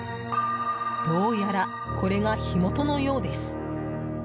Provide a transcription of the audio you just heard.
どうやら、これが火元のようです。